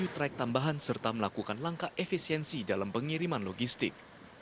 tujuh track tambahan serta melakukan langkah efisiensi dalam pengiriman logistik